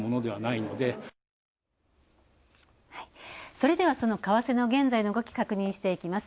それでは、その為替の現在の動き確認していきます。